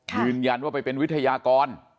ยืนยันว่าไปเป็นวิทยากร